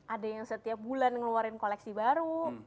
ada yang setiap bulan ngeluarin koleksi baru